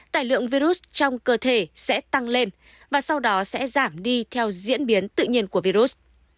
tài lượng virus trong cơ thể sẽ tăng lên và sau đó sẽ giảm đi theo diễn biến tự nhiên của virus